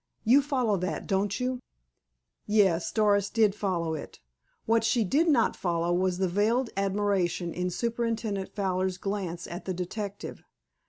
You follow that, don't you?" Yes, Doris did follow it. What she did not follow was the veiled admiration in Superintendent Fowler's glance at the detective.